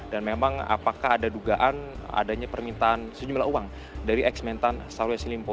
dan memang apakah ada dugaan adanya permintaan sejumlah uang dari eks mentan syahrul yassin limpo